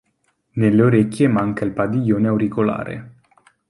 Nelle orecchie manca il padiglione auricolare.